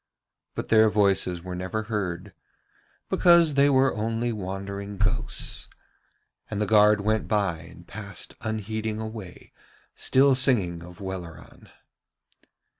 But their voices were never heard because they were only wandering ghosts. And the guard went by and passed unheeding away, still singing of Welleran.